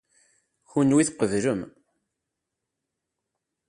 Kunwi tqeblem.